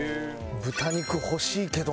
豚肉欲しいけどな。